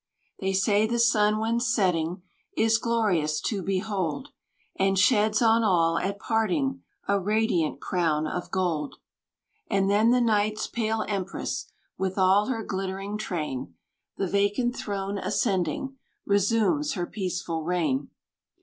They say the sun when setting, Is glorious to behold; And sheds on all at parting, A radiant crown of gold. And then the night's pale empress, With all her glittering train, The vacant throne ascending, Resumes her peaceful reign.